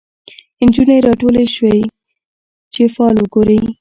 نجونې راټولي شوی چي فال وګوري